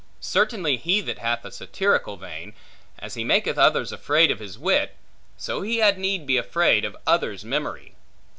Certainly, he that hath a satirical vein, as he maketh others afraid of his wit, so he had need be afraid of others' memory.